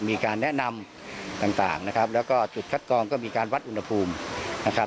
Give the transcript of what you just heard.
มีการแนะนำต่างนะครับแล้วก็จุดคัดกรองก็มีการวัดอุณหภูมินะครับ